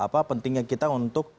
apa pentingnya kita untuk